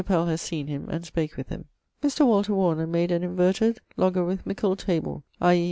Pell has seen him, and spake with him. Mr. Walter Warner made an Inverted Logarithmicall Table, i.e.